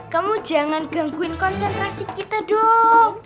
kamu jangan gangguin konsentrasi kita dong